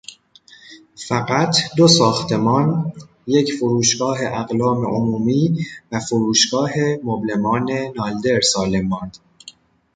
فقط دو ساختمان، یک فروشگاه اقلام عمومی و فروشگاه مبلمان نالدر، سالم ماند.